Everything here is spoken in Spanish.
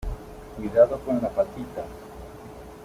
cuidado con la patita .